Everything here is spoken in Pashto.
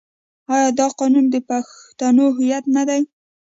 آیا دا قانون د پښتنو هویت نه دی؟